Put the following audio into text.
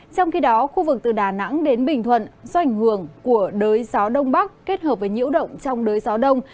trong khi đó khu vực từ đà nẵng đến bình thuận do ảnh hưởng của đới gió đông bắc kết hợp với nhiễu động trong đới gió đông